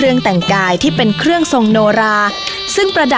คุณผู้ชมอยู่กับดิฉันใบตองราชนุกูลที่จังหวัดสงคลาค่ะ